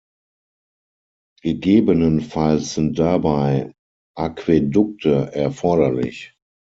Gegebenenfalls sind dabei Aquädukte erforderlich.